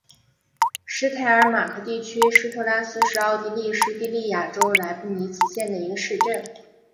施泰尔马克地区施特拉斯是奥地利施蒂利亚州莱布尼茨县的一个市镇。